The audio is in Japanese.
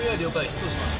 出動します